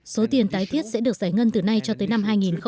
số tiền tái thiết sẽ được giải ngân từ nay cho tới năm hai nghìn hai mươi